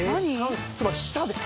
つまり舌です。